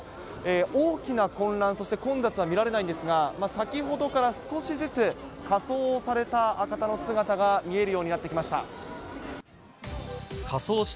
大きな混乱、そして混雑は見られないんですが、先ほどから少しずつ仮装された方の姿が見えるようになってきました。